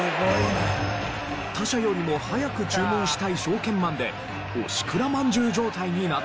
他社よりも早く注文したい証券マンでおしくらまんじゅう状態になっていたんです。